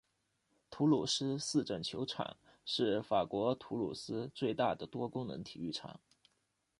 土鲁斯市政球场是法国土鲁斯最大的多功能体育场。